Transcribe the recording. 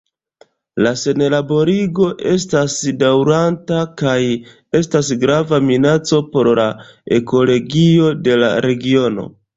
La senarbarigo estas daŭranta kaj estas grava minaco por la ekologio de la regiono.